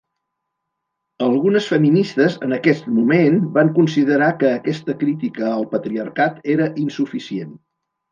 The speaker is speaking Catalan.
Algunes feministes en aquest moment van considerar que aquesta crítica al patriarcat era insuficient.